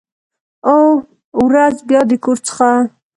او، ورځ بیا د کور څخه